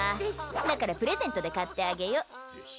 だからプレゼントで買ってあげよう。